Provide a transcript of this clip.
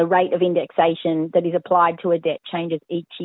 harga indeksasi yang diadakan untuk hutang berubah setiap tahun